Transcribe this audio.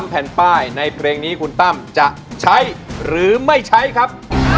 แผ่นป้ายในเพลงนี้คุณตั้มจะใช้หรือไม่ใช้ครับ